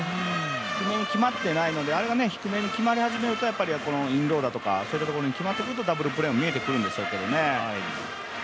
低めに決まってないので、あれが低めに決まり始めるとインローだとかに決まってくるとダブルプレーは見えてくるんでしょうけれどもね。